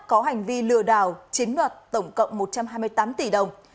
có hành vi lừa đảo chiếm đoạt tổng cộng một trăm hai mươi tám tỷ đồng